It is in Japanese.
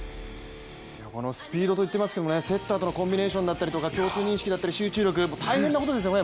このスピードと言っていますけどセッターとのコンビネーションだったりとか共通認識だったり集中力、大変なことですよね。